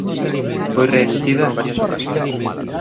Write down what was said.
Foi reemitida en varias ocasións.